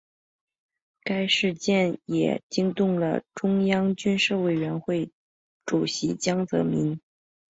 该事件也惊动了中央军事委员会主席江泽民。